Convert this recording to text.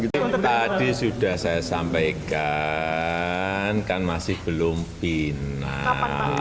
tadi sudah saya sampaikan kan masih belum bina